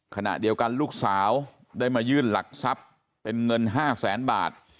ขณะเดียวกันลูกสาวได้มายื่นหลักทรัพย์เป็นเงิน๕แสนบาท